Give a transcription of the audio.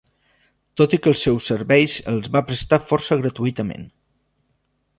Tot i que els seus serveis els va prestar força gratuïtament.